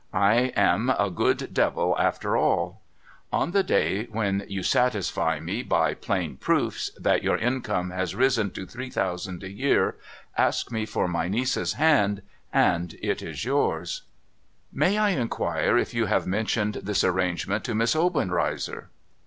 I am a good devil after all ! On the day when you satisfy me, by plain proofs, that your income has risen to three thousand a year, ask me for my niece's hand, and it is yours.' MR. VENDALE'S STIPULATIONS 527 * May I inquire if you have mentioned this arrangement to Miss Obenreizer